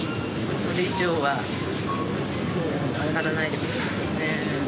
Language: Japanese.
これ以上はもう上がらないでほしいですね。